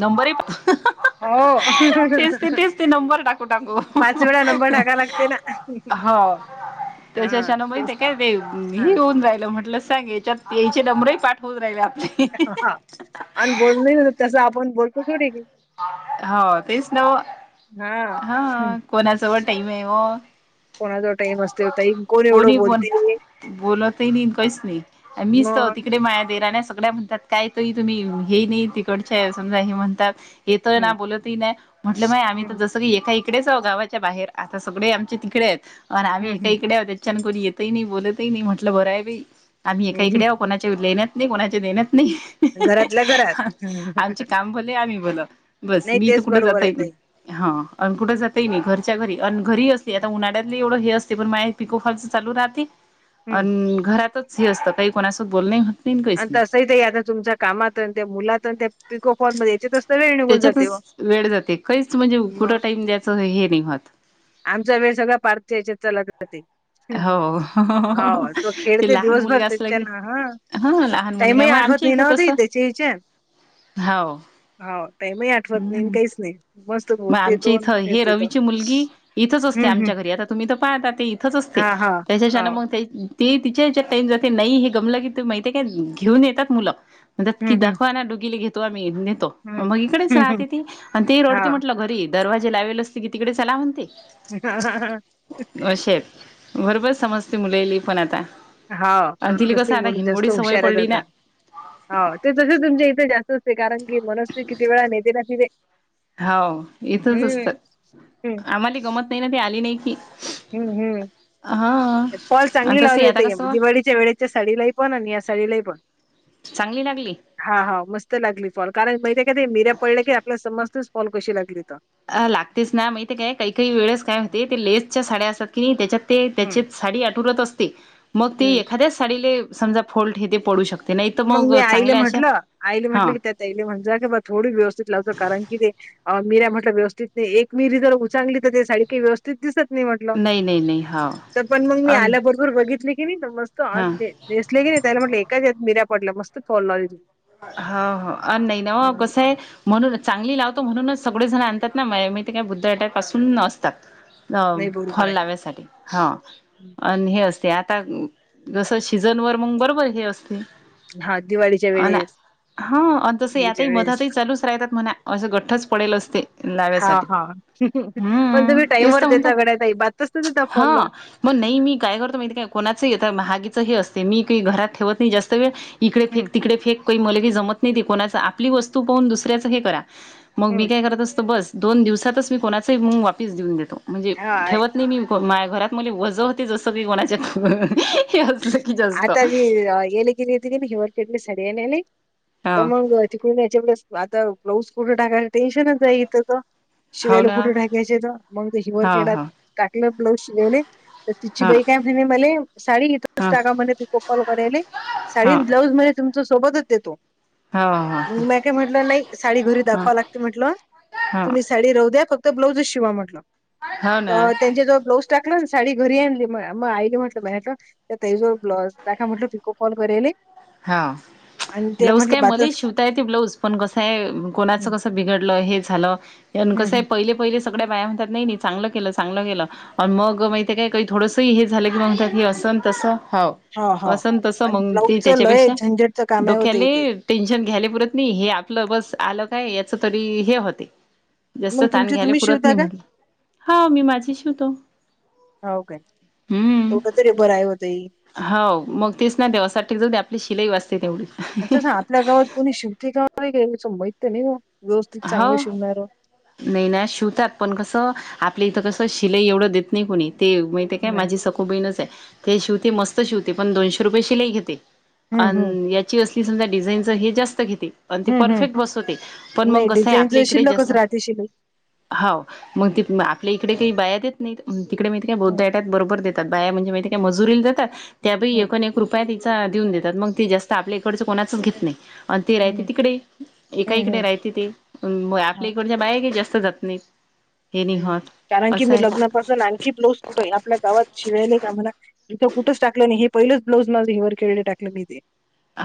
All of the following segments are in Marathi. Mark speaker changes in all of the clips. Speaker 1: नंबरिंग
Speaker 2: हो
Speaker 1: तेस ते तेस ते नंबर टाकू टाकू
Speaker 2: पाच वेळा नंबर टाकाय लागते ना
Speaker 1: ह
Speaker 2: हा
Speaker 1: त्याच्याच्यान
Speaker 2: तेच
Speaker 1: माहिते काय ते
Speaker 2: हा
Speaker 1: हे होऊन राहिलं म्हटलं साग याच्यात यायचे नमरही पाठ होवून रायले आपले.
Speaker 2: हा आण बोलन ही तसं आपण बोलतो थोडी की.
Speaker 1: हो तेच न व
Speaker 2: हा
Speaker 1: हां कोणाजवळ टाईम आय व.
Speaker 2: कोणाजवळ टाईम असते वो ताई कोण एवढं बोलते?
Speaker 1: बोलतई नई न कांहीच नाही मीच त
Speaker 2: मग
Speaker 1: तिकडे माया देवराण्या सगळ्या त्यात काय त ताई तुम्ही हे ई नाही तिकडच्या समजा हे म्हणतात येतंय ना
Speaker 2: हम्म
Speaker 1: बोलतही नाही म्हटलं माय आम्ही त
Speaker 2: हम्म
Speaker 1: जसं की एका एक तिकडेच आव गावाच्या बाहेर आता सगळे आमचे तिकडे आहेत आणि आम्ही एका
Speaker 2: हम्म
Speaker 1: इकडे आ त्याच्या न कोणी येतही नाही बोलतही नाही म्हटलं बरं आहे बाई आम्ही एका
Speaker 2: हम्म
Speaker 1: इकडे कोणाच्या लेण्यात नाही कोणाच्या देण्यात नाही.
Speaker 2: घरातल्या घरात.
Speaker 1: आमचे काम भले आम्ही भल बस
Speaker 2: नाही
Speaker 1: मी तर
Speaker 2: तेच
Speaker 1: कुठे
Speaker 2: बरोबर आहे
Speaker 1: जातई
Speaker 2: ताई
Speaker 1: नई हा अन कुठं जात ई नाही घरच्या घरी अन घरी असते आता उन्हा ळ्यात ई एवढं हे असते पण माय पिको फॉलच चालू राहते
Speaker 2: हम्म
Speaker 1: अन घरातच झी असंत काही कोणासोबत बोलनही हों
Speaker 2: आण तसंही ताई आता तुमच्या कामात, अण त्या मुलात त्या पिको फॉल मध्ये येच्यातच
Speaker 1: त्याच्यातच वेळ जाते काहीच म्हणजे कुठं
Speaker 2: मग
Speaker 1: टाईम द्यायचं हे नाही माझ
Speaker 2: आमचा वेळ सगळळा पार्थच्या याच्यात चालला जाते. हं.
Speaker 1: हो
Speaker 2: हो तो
Speaker 1: ते
Speaker 2: खेळते
Speaker 1: लहान
Speaker 2: दिवसभर
Speaker 1: मुलगा असला की
Speaker 2: त्याच्यानं हा
Speaker 1: हां लहान मुलगा
Speaker 2: टाइमही
Speaker 1: आहे मग
Speaker 2: आठवत
Speaker 1: आमच्या
Speaker 2: नाही ना
Speaker 1: इथं तस
Speaker 2: होते त्याच्या
Speaker 1: हाव.
Speaker 2: हाव टाईमही आठवत नाही काहीच नाही मस्त
Speaker 1: मग
Speaker 2: बोलते
Speaker 1: आमच्या
Speaker 2: तो आणि
Speaker 1: इथं हे
Speaker 2: खेळते तो
Speaker 1: रवीची मुलगी इथंच असते
Speaker 2: हम्म हम्म
Speaker 1: आमच्या घरी आता तुम्ही त पाहता ते इथंच असते
Speaker 2: हा हा हा
Speaker 1: त्याच्याच्यान मग ते ते तिच्या हच्यात टाईम जाते नाही हे गमलं की माहितीे काय घेऊन येतात मुलं. म्हणत्यात की
Speaker 2: हम्म हम्म
Speaker 1: दाखवा ना दोघीले घेतो आम्ही नेतो मग इकडेच
Speaker 2: हम्म
Speaker 1: राहते
Speaker 2: हम्म
Speaker 1: ती आणि ते रड
Speaker 2: हा
Speaker 1: ते घरी दरवाजे लावेल असले की तिकडे चला म्हणते.
Speaker 2: हां हां.
Speaker 1: अशे आहेत. बरोबर समजते मुलालेय पण आता
Speaker 2: हाव
Speaker 1: आणि तिला
Speaker 2: जास्त
Speaker 1: कसं आता
Speaker 2: बोल जास्त
Speaker 1: हिंगोळी सवय
Speaker 2: हुशार आहेत
Speaker 1: पडली ना.
Speaker 2: आता हाव ते तसई तुमच्या इथे जास्त असते कारण की मनस्वी किती वेळा नेते ना तिले.
Speaker 1: हाव इथंच असतात
Speaker 2: हम्म
Speaker 1: आम्हालाही गमत नाही ना ते आली नाही की.
Speaker 2: हम्म हम्म
Speaker 1: हा
Speaker 2: फॉल चांगली
Speaker 1: तस
Speaker 2: लावली
Speaker 1: आता
Speaker 2: ताई
Speaker 1: कसं
Speaker 2: दिवाळीत च्या वेळेच्या साडीलाही पण आण या साडीलाही पणं.
Speaker 1: चांगली लागली?
Speaker 2: हां हां मस्त लागली फॉल कारण माहिती आहे काय ते मीऱ्या पळल्या की आपल्या समजतेच फॉल कशी लागली त.
Speaker 1: अ लागतेच ना माहिती काय काही काही वेळेस काय होते ते लेसच्या साड्या असतात की नाही त्याच्यात ते
Speaker 2: हम्म
Speaker 1: त्याचेत साडी आटूरत असते मग ते
Speaker 2: हम्म
Speaker 1: एखाद्याच साडीले समजा फॉल्ट हे ते पडू शकते नाही तर
Speaker 2: मग मी आईले
Speaker 1: चांगल्या अशा
Speaker 2: म्हटलं आईले
Speaker 1: हा
Speaker 2: म्हटलं की त्यात ताईले म्हणजा बा थोडी व्यवस्थित लावजा कारण की ते अ मीऱ्या म्हटलं व्यवस्थित नाही एक मिरी जर उचांगली तर ते साडी काही व्यवस्थित त दिसत नाही म्हटल
Speaker 1: नाही नाही नाही हाव
Speaker 2: तर पण मग मी
Speaker 1: अन
Speaker 2: आल्या ब रोबर बघितले की नाही मस्त
Speaker 1: हा
Speaker 2: दिसले की नाही त्याला म्हटलं एकाच येच्यात मिऱ्या पडल्या मस्त फॉल लावला.
Speaker 1: हो हां अ नाही व ना कसं आहे. म्हणून चांगली लावतो म्हणूनच सगळेजण आणतात ना म ते काय बुद्ध अटॅपसून नसतात
Speaker 2: नाही बरोबर
Speaker 1: फॉल
Speaker 2: आहे
Speaker 1: लावायसाठी हा आणि हे असते आता जस सिजन वर मग बरोबर हे असते
Speaker 2: हा दिवाळीचे
Speaker 1: अ ह आणि तसं यातही
Speaker 2: वेळेस
Speaker 1: मधातही चालूच राहतात म्हणा असं गठ्ठच पडेल असते
Speaker 2: हा
Speaker 1: लाव्यासाठी
Speaker 2: हा पण
Speaker 1: हम्म
Speaker 2: तुम्ही
Speaker 1: तेच
Speaker 2: टाइमवर
Speaker 1: तर
Speaker 2: देता गड्या ताई बातच तर
Speaker 1: म्हणत
Speaker 2: देता
Speaker 1: हा
Speaker 2: फॉल लावून.
Speaker 1: मग नाही मी काय करतो माहितीे काय कोणाच महागीच हे असते मी काही घरात ठेवत नाही जास्त वेळ इकडे
Speaker 2: हम्म
Speaker 1: फेक तिकडे फेक काही मल की जमत नाही ते कोणाच आपली वस्तू पाहून दुसऱ्याचं हे करा मग मी
Speaker 2: हम्म
Speaker 1: काय करत असतो बस दोन दिवसातच मी कोणाचे मंग वापीस देऊन देतो म्हणजे
Speaker 2: हा
Speaker 1: ठेवत मी माझ्या घरात मुली वजं होती जसं की कोणाच्या हे असलं की जास्त
Speaker 2: [unintelligible] [unintelligible]
Speaker 1: हा
Speaker 2: [unintelligible] [unintelligible]
Speaker 1: हो
Speaker 2: शिवायला
Speaker 1: ना
Speaker 2: कुठे टाकायचे तर मग ते हिवर
Speaker 1: हा
Speaker 2: केेडत
Speaker 1: हा
Speaker 2: टाकलं ब्लाऊज शिवावले तर तिची
Speaker 1: हा
Speaker 2: बाई काय म्हणे मले साडी इथच
Speaker 1: हा
Speaker 2: टाकामध्ये त कोपल करायले साडी
Speaker 1: हा
Speaker 2: ब्लाऊज मध्ये तुमच्या सोबतच देतो.
Speaker 1: हो हो
Speaker 2: म्या काय म्हटलं नाही साडी घरी दाखवा
Speaker 1: ह
Speaker 2: लागते
Speaker 1: हो
Speaker 2: म्हंटलं साडी राहू द्या फक्त ब्लाउज शिवा म्हटलं
Speaker 1: हो
Speaker 2: त
Speaker 1: ना
Speaker 2: त्यांच्या टाक ना साडी घरी आणली मग मग आईली भैय्या कड तेयजवळ म्हटलं पिको कॉल करायले. आणि ते म्हटलं बता
Speaker 1: बज पण कस कोणाच कस बिघडलं हे झालं
Speaker 2: हम्म
Speaker 1: कसं पहिलं पण [unintelligible] ह
Speaker 2: हम्म.
Speaker 1: असंतस ह
Speaker 2: हा हा
Speaker 1: असंतस
Speaker 2: आणि
Speaker 1: मग ती
Speaker 2: ब्लाऊजचं लय
Speaker 1: त्याच्यापेक्षा
Speaker 2: झंझटचं काम आहे हो ताई
Speaker 1: डोक्याले
Speaker 2: ते.
Speaker 1: टेन्शन घ्याले पुरत नाही. हे आपलं बस आलं काय याच तरी हे होते. जास्त
Speaker 2: मग
Speaker 1: ताण
Speaker 2: तुमची
Speaker 1: घ्यायला
Speaker 2: तुम्ही
Speaker 1: पुरत
Speaker 2: शिवता
Speaker 1: नाही
Speaker 2: काय?
Speaker 1: म्हटलं. हो मी माझी शिवतो.
Speaker 2: हो काय?
Speaker 1: हम्म
Speaker 2: तेवढ तरी बर आहे हो ताई.
Speaker 1: हो मग तीच ना देवसाठी जाऊ आपली शिलाई वाचते तेवढीच.
Speaker 2: अच्छा आपल्या गावात कोणी शिवते का कां माहित नाही ना व्यवस्थित
Speaker 1: हो
Speaker 2: चांगलं शिवणारं.
Speaker 1: नाही ना शिवतात पण कसं आपल्या इथं कसं शिलाई एवढं देत नाही कोणी ते काय
Speaker 2: नाही
Speaker 1: माझी सखो बहीणच आहे ते शिवती मस्त शिवते पण दोनशे रुपये शिलाई घेते. अ
Speaker 2: हम्म हम्म
Speaker 1: याची असली समजा डिझाईनच हे जास्त घेते आणि ते
Speaker 2: हम्म हम्म
Speaker 1: परफेक्ट बसवते. पण मग
Speaker 2: नाही
Speaker 1: कसं आहे
Speaker 2: डिझाईनच
Speaker 1: आपल्या इकडेच
Speaker 2: शिल्लकच
Speaker 1: जास्त
Speaker 2: राहते शिलाई.
Speaker 1: हा मग त आपल्या इकडे काही बाया देत नाही तिकडे मी काही बहुत
Speaker 2: हम्म
Speaker 1: आहेत बरोबर देत बाया म्हणजे मा का मजुरीला जातात त्या
Speaker 2: हम्म
Speaker 1: एक न एक रूप उपाय तिचा देऊन देतात मग ते जास्त आपल्या इकडच कोणाच घेत नाही. आणि ते राहते
Speaker 2: हम्म
Speaker 1: तिकडे
Speaker 2: हम्म
Speaker 1: एकाइकडे
Speaker 2: हम्म
Speaker 1: राहते ते आपल्या
Speaker 2: हाव
Speaker 1: इकडच्या बाहे काे जास्त जात नाही. हे
Speaker 2: हम्म
Speaker 1: होत
Speaker 2: कारण की
Speaker 1: असं
Speaker 2: मी
Speaker 1: आहे ना
Speaker 2: लग्नापासून आणखी ब्लोज कुठे आहे आपल्या गावात शिवायला का मला? तिथं कुठंच टाकलं नाही हे पहिलंच ब्लाउज माझं हेवर केळले टाकलं मी ते.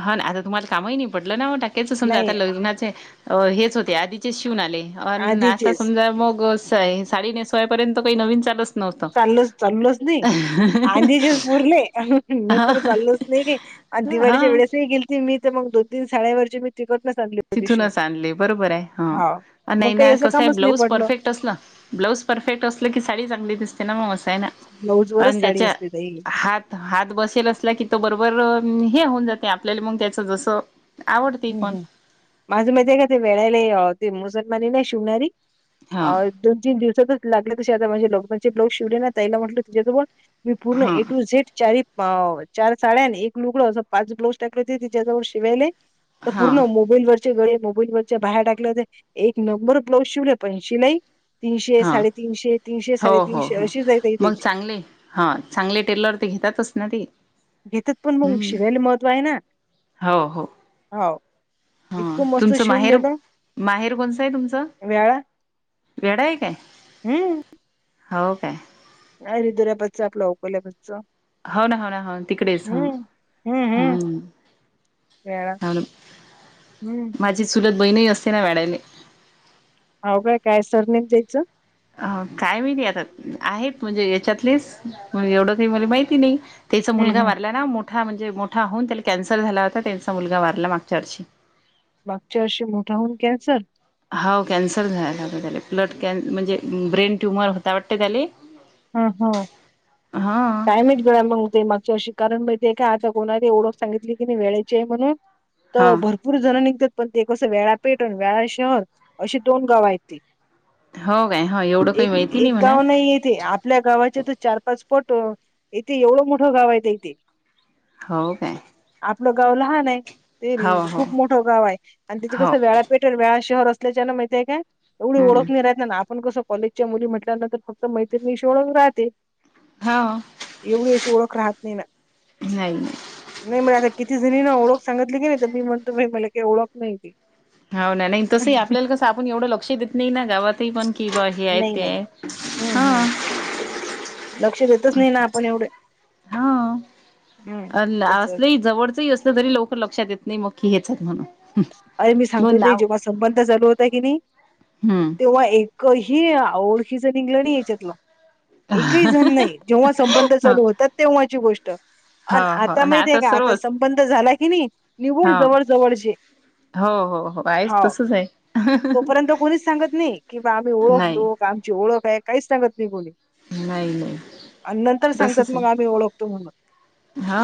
Speaker 1: हा ना आता तुम्हाला कामही नाही पटलं ना टाक्याच समजा आता
Speaker 2: नाही आ
Speaker 1: लग्नाचे अ हेच होते आधीचे शिवून आले अ आता
Speaker 2: आधीचेच
Speaker 1: समजा मग अस आहे. साडी नेसवायापर्यंत काही नवीन चालत
Speaker 2: चालच चाललच नाही. आंधी दिवस पुरले. नंतर चालच नाही गे म दिवाळीच्या
Speaker 1: हा
Speaker 2: वेळेस गेलती मी तर मग दोन तीन शाळेवर मी तिकट न
Speaker 1: तिथूनच आणले बरोबर आहे
Speaker 2: हा
Speaker 1: ह
Speaker 2: मग
Speaker 1: नाही
Speaker 2: काही
Speaker 1: ना
Speaker 2: असं
Speaker 1: कसं आहे
Speaker 2: कामच नाही
Speaker 1: ब्लाऊज
Speaker 2: पडलं
Speaker 1: परफेक्ट अस ना ब्लाऊज परफेक्ट असलं की साडी चांगली दिसते ना. मग असायना
Speaker 2: ब्लाऊज
Speaker 1: पण
Speaker 2: वरच साडी
Speaker 1: ज्याच्या
Speaker 2: असते ताई
Speaker 1: हात हात बसेल असला की तो बरोबर हे होऊन जाते आपल्याला मग त्याच जसं आवडते
Speaker 2: हम्
Speaker 1: पण
Speaker 2: हम माझं महि आहे का ते वेळाला ते मुसलमानी नाही शिवणारी
Speaker 1: हा
Speaker 2: अ दोन तीन दिवसातच लागले तसे आता म्हणजे लोक म्हणजे लोक शिवले ना तैला म्हटलं तुझ्यासोबळ मी पूर्ण
Speaker 1: हा
Speaker 2: ए टू झेड चार हाव चार साड्याने एक लुगडं असं पाच ब्लाऊज टाकले हो ते तिच्या जवळ शिवायले. तर
Speaker 1: हा
Speaker 2: पूर्ण मोबाईल वर गळे मोबाईल वरच्या बाहेर टाकल्या तर एक नंबर ब्लाउज शिवले पण शिलाई तीनशे
Speaker 1: हा
Speaker 2: साडेतीनशे, तीनशे
Speaker 1: हो हो
Speaker 2: साडेतीनशे,
Speaker 1: हो
Speaker 2: अशीच आहे त ह
Speaker 1: मग
Speaker 2: त्याची.
Speaker 1: चांगले हा चांगले टेलर ते घेतातच ना ते.
Speaker 2: घेतात पण मग
Speaker 1: हम्म
Speaker 2: शीवायला महत्व आहे ना हो.
Speaker 1: हा, तुमचं माहेर माहेर कोणसं आहे तुमचं.
Speaker 2: व्याळा
Speaker 1: येडाई काय, हो काय.
Speaker 2: आ रि दर्या पच आपला अकल्या पाो [unintelligible]
Speaker 1: हो ना, हो ना, हो तिकडेच ह हम्म
Speaker 2: खळा हम्म [unintelligible]
Speaker 1: माझी चूलत बहीण हि असते ना वडाने
Speaker 2: हाव काय, काय सरनेच द्यायचं?
Speaker 1: अ काय महिती आता आहेत म्हणजे याच्यातलेचण एवढं काही मला माहिती नाही. त्याचा
Speaker 2: हम्म
Speaker 1: मुलगा
Speaker 2: हम्म.
Speaker 1: वारला ना मोठा म्हणजे मोठा होऊन त्याला कॅन्सर झाला होता त्यांचा मुलगा वारला मागच्या वर्षी
Speaker 2: मागच्या वर्षी मोठा होऊन कॅन्सर
Speaker 1: हा कॅन्सर झालेला होता त्याला, ब्लड कॅन्स म्हणजे ब्रेन ट्युमर होता वाटते त्याले.
Speaker 2: हम ह
Speaker 1: हा
Speaker 2: कायमच गेळा मग ते मागची अशी [unintelligible] कारण म ते काय आता कोणा त ओळख सांगितली की नाही वेळाची आहे म्हणून तर
Speaker 1: हा
Speaker 2: भरपूर पूर जण निघतात पण ते एकसं वेळा पेटण वेळा शहर अे दोन गाव आहेत ते.
Speaker 1: हो काय हो एवढं काही
Speaker 2: एक,
Speaker 1: माहिती
Speaker 2: एक,
Speaker 1: म्हणा
Speaker 2: गाव नाही ये तेे आप आपल्या गावाचे तर चार पाच पट, इथे एवढं मोठं गाव आहे इथे.
Speaker 1: हो काय.
Speaker 2: आपलं गाव लहान आहे ते
Speaker 1: हो हो
Speaker 2: खूप मोठं गाव आहे. आणि त्याचे
Speaker 1: हो
Speaker 2: कसं वेळ पेटल व्याळा शहर असल्याच्या ना माहितीय काय एवढी
Speaker 1: हम्म
Speaker 2: ओळखणी नाही राह ना आपण कसं कॉलेजच्या मुली म्हटल्यानंतर फक्त मैत्रिणी ओळख राहते.
Speaker 1: हो
Speaker 2: एवढी अशी ओळख राहत नाही ना.
Speaker 1: नाही
Speaker 2: नाही मला आता किती जणी ना ओळख सांगितली की नाही तर, मी म्हणतो भ मला की ओळख नाही ती.
Speaker 1: हाव ना, नाही तसंही आपल्याला कसं आपण एवढं लक्षही देत नाही ना गावातही पण. की बा हे आहे
Speaker 2: नाही
Speaker 1: ते
Speaker 2: नाही
Speaker 1: आहे
Speaker 2: हम्म हम्म
Speaker 1: हां.
Speaker 2: लक्ष देतच नाही ना आपण एवढे
Speaker 1: हा,
Speaker 2: हम्म तसच
Speaker 1: असले जवळचही अस तरी लवकर लक्षात येत नाही मग की हेच आहेत म्हणून.
Speaker 2: अरे मी सांगतो
Speaker 1: दोन
Speaker 2: ते
Speaker 1: नाव
Speaker 2: जेव्हा संबंध चालू होता की नाही
Speaker 1: हम्म
Speaker 2: तेव्हा एक एकही ओळखीचा निघाला नाही याच्यातला, एकही जण नाही. जेव्हा संबंध
Speaker 1: ह
Speaker 2: चालू होतात तेव्हाची गोष्ट आणि
Speaker 1: हो हो
Speaker 2: आता
Speaker 1: आणि
Speaker 2: माहित आहे का आता
Speaker 1: सर्वच
Speaker 2: बंद झाला कि नाही निकोल
Speaker 1: हा.
Speaker 2: जवळ जवळचेे
Speaker 1: हो, हो, हो आहेच
Speaker 2: हो,
Speaker 1: तसच आहे
Speaker 2: तोपर्यंत कोणीच सांगत नाही कि बा आम्ही
Speaker 1: नाही
Speaker 2: ओळखतो. आमची ओळख आहे. काहीच सांगत नाही कोणी.
Speaker 1: नाही नाही
Speaker 2: आणि नंतर सांगतात
Speaker 1: तसच
Speaker 2: मग
Speaker 1: आहे
Speaker 2: आम्ही ओळखतो म्हणून.
Speaker 1: हा,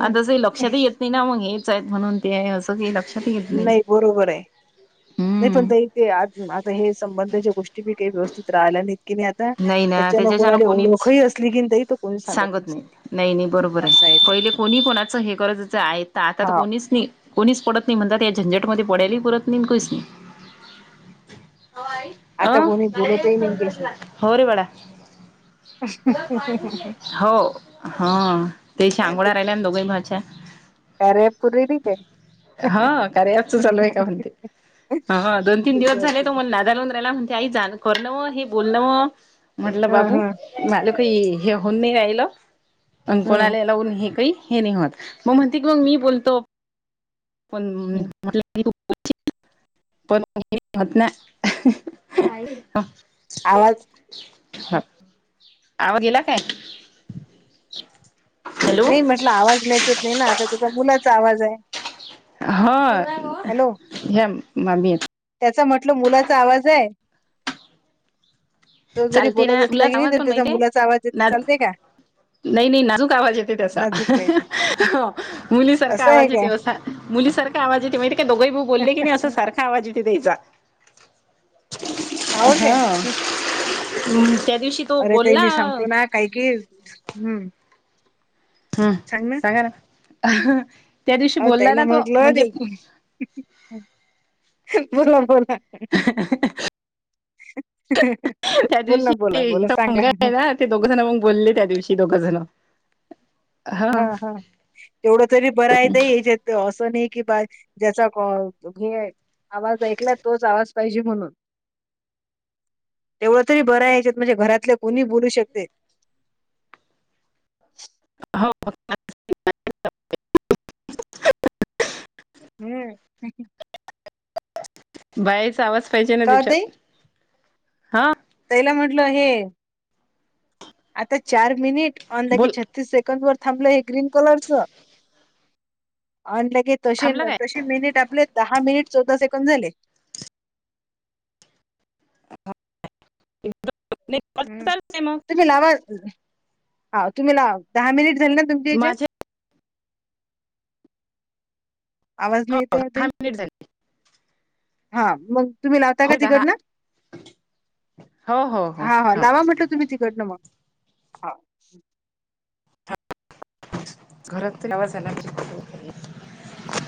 Speaker 1: आण तसंही लक्षातही येत नाही ना मग हेच आहेत म्हणून ते असं क लक्षात
Speaker 2: नाही बरोबर आहे. नाही पण
Speaker 1: हम्म
Speaker 2: ताई ते आता हे संबंधाच्या गोष्टी बी काही व्यवस्थित राहिल्या नाहीत की नाही आता
Speaker 1: नाही ना
Speaker 2: त्याच्यान
Speaker 1: त्याच्याच्यान
Speaker 2: कोणाला
Speaker 1: कोणीच,
Speaker 2: ओळखही असली की नाही ताई तो कोणी
Speaker 1: सांगत नाही
Speaker 2: नसते
Speaker 1: नाही नाही बरोबर आहे.
Speaker 2: असं ते
Speaker 1: पहिले कोणी कोणाचं हे करत होतं. आता तर
Speaker 2: हा
Speaker 1: कोणीच नाही. कोणीच पडत नाही म्हणतात या झंजटमध्ये पडयला प पुरत नाही कोणीच नाही.
Speaker 2: आता कोणी बोलतही नाही
Speaker 1: अं
Speaker 2: त्याच्याशी.
Speaker 1: होर बडा [unintelligible] हो हा ते
Speaker 2: काय
Speaker 1: अंघोळा
Speaker 2: ते
Speaker 1: राहिल्या दोघी माझ्या [unintelligible]
Speaker 2: अरे पुरी र ते [unintelligible]
Speaker 1: हा कार्याच चालूय का म्हणते ह दोन तीन दिवस झाले तो मण ना जालवून राहिला म्हणते आई जाण करणव हे बोलणं म्हटलं
Speaker 2: हं,
Speaker 1: बाबू
Speaker 2: हं,
Speaker 1: मला काही हे होऊन नाही राहिलं पण
Speaker 2: हं,
Speaker 1: कोणाला लावून हे काही हे नाही होत मग म्हणते की मग मी बोलतो पण
Speaker 2: हं.
Speaker 1: म्हटलं पणत कोण
Speaker 2: आवाज
Speaker 1: ह आवा गेला काय
Speaker 2: नाही म्हटलं आवाज मॅच होत नाही ना आता त्याचा मुलाचा आवाज आहे
Speaker 1: ह
Speaker 2: हॅलो
Speaker 1: हे ममीेत
Speaker 2: त्याचा म्हटलं मुलाचा आवाज आहे तो जरी
Speaker 1: चालते
Speaker 2: बोलत
Speaker 1: ना
Speaker 2: असला
Speaker 1: तुला
Speaker 2: की नाही
Speaker 1: आवाज
Speaker 2: तरी
Speaker 1: पण
Speaker 2: त्याचा
Speaker 1: माहितीय
Speaker 2: मुलाचा आवाज येत
Speaker 1: ना
Speaker 2: चालत का
Speaker 1: नाही नाही नाजूक आवाज येते त्याचा
Speaker 2: नाजूक पाहिजे
Speaker 1: मुलीसारखा
Speaker 2: असं आहे
Speaker 1: आवाज येते
Speaker 2: काय
Speaker 1: असा मुलीसारखा आवाज येत माहिती काय दोघाही भाऊ बोलले की नाही असं सारखं आवाज वाजठे त्याचा
Speaker 2: हो काय
Speaker 1: हा हम्म त्या दिवशी
Speaker 2: अरे ते
Speaker 1: बोलला
Speaker 2: मी सांगतो ना काही कि हम्म
Speaker 1: हा
Speaker 2: सांग ना
Speaker 1: त्या दिवशी
Speaker 2: अहो
Speaker 1: बोलला ना तो म्हणजे
Speaker 2: बोलला बोलला
Speaker 1: त्या
Speaker 2: बोल ना
Speaker 1: दिवशी
Speaker 2: बोला बोला
Speaker 1: इचा
Speaker 2: सांगा
Speaker 1: मुलगा आहे ना ते दोघं जण मग बोलले त्या दिवशी दोघं जण
Speaker 2: हा हा तेवढं तरी बरं मला याच्यात ते असं नाही की बाळ ज्याचा हे आवाज ऐकलाय तोच आवाज पाहिजे म्हणून
Speaker 1: ह
Speaker 2: तेवढं तरी बरं या्याच्यात म्हणजे घरातल्या कोणी बोलू शकते
Speaker 1: हो
Speaker 2: हम्म
Speaker 1: बायाचा आवाज पाहिजे ना
Speaker 2: का ओ
Speaker 1: त्याच्यात हा
Speaker 2: तैला म्हटलं हे आता चार मिनिट ऑ की
Speaker 1: बोल
Speaker 2: छत्तीस सेकंड वर थांबलं हे ग्रीन कलरच अ के त
Speaker 1: थांबला काय
Speaker 2: तशी मिनिट आपले दहा मिनिट चौदा सेकंड झाले
Speaker 1: एकद चाल नाही मग
Speaker 2: तुम्ही लावा तुम्ही लाव दहा मिनिट झाले ना तुमच्या याच्यात
Speaker 1: माझे
Speaker 2: आवाज
Speaker 1: हो
Speaker 2: नाही येते
Speaker 1: दहा
Speaker 2: तरी
Speaker 1: मिनिट झाले
Speaker 2: हा मग तुम्ही लावताय का
Speaker 1: हो दहा
Speaker 2: तिकडनं
Speaker 1: हो हो हो
Speaker 2: हा हा
Speaker 1: हो
Speaker 2: लावा म्हटलं तुम्ही तिकटनं मग हा
Speaker 1: घरात आवाजयला